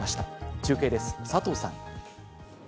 中継です、佐藤さん。